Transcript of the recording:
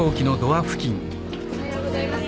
おはようございます。